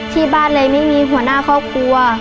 ที่บ้านเลยไม่มีหัวหน้าครอบครัว